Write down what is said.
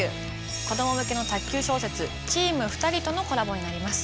子供向けの卓球小説「チームふたり」とのコラボになります。